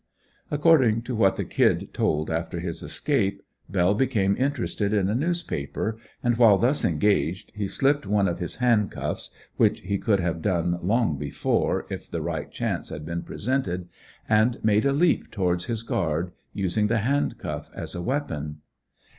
According to what the "Kid" told after his escape, Bell became interested in a newspaper, and while thus engaged, he slipped one of his hand cuffs, which he could have done long before if the right chance had been presented, and made a leap towards his guard, using the hand cuff as a weapon.